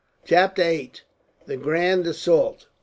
Chapter 8: The Grand Assault.